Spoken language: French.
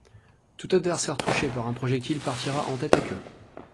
Tout adversaire touché par un projectile partira en tête-à-queue.